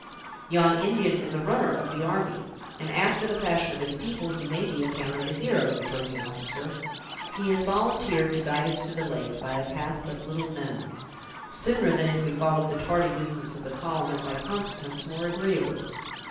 "Yon Indian is a 'runner' of the army; and, after the fashion of his people, he may be accounted a hero," returned the officer. "He has volunteered to guide us to the lake, by a path but little known, sooner than if we followed the tardy movements of the column; and, by consequence, more agreeably."